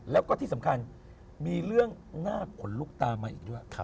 แล้วก็ที่สำคัญมีเรื่องน่าขนลุกตามมาอีกด้วย